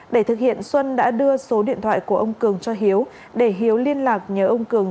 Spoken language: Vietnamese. để thực hiện xuân đã đưa số điện thoại của ông cường cho hiếu để hiếu liên lạc nhờ ông cường